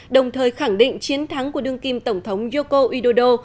đồng thời khẳng định chiến thắng của đương kim tổng thống yoko eddodo